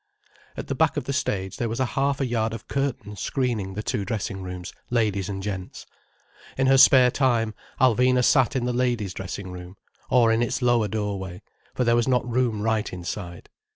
At the back of the stage there was half a yard of curtain screening the two dressing rooms, ladies and gents. In her spare time Alvina sat in the ladies' dressing room, or in its lower doorway, for there was not room right inside.